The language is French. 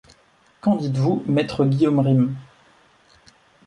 Qu’en dites-vous, maître Guillaume Rym?